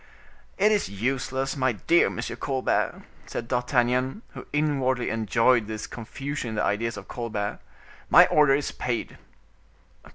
"It is useless, my dear Monsieur Colbert," said D'Artagnan, who inwardly enjoyed this confusion in the ideas of Colbert; "my order is paid."